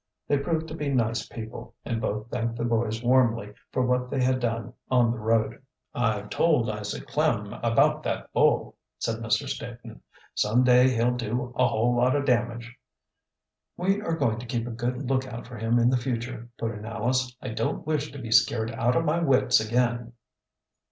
They proved to be nice people, and both thanked the boys warmly for what they had done on the road. "I've told Isaac Klem about that bull," said Mr. Staton. "Some day he'll do a whole lot of damage." "We are going to keep a good lookout for him in the future," put in Alice. "I don't wish to be scared out of my wits again."